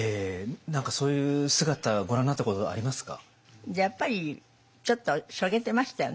何かそういう姿ご覧になったことありますか？